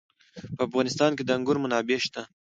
په افغانستان کې د انګور منابع شته.